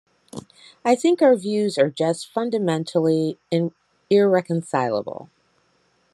I think our views are just fundamentally irreconcilable.